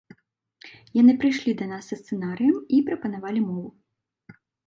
Яны прыйшлі да нас са сцэнарыем і прапанавалі мову.